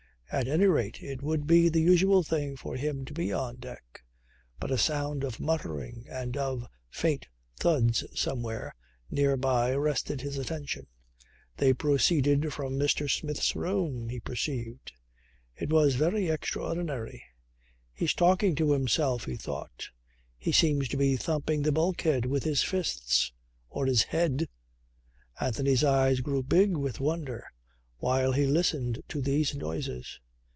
At any rate it would be the usual thing for him to be on deck. But a sound of muttering and of faint thuds somewhere near by arrested his attention. They proceeded from Mr. Smith's room, he perceived. It was very extraordinary. "He's talking to himself," he thought. "He seems to be thumping the bulkhead with his fists or his head." Anthony's eyes grew big with wonder while he listened to these noises.